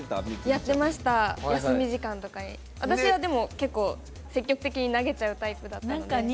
やってました休み時間とかに私は結構、積極的に投げちゃうタイプだったんで。